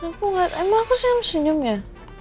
emang aku senyum senyum ya